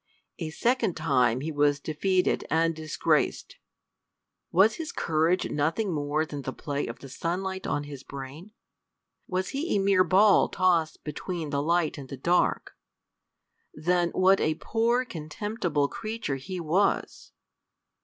A second time he was defeated and disgraced! Was his courage nothing more than the play of the sunlight on his brain? Was he a mere ball tossed between the light and the dark? Then what a poor contemptible creature he was!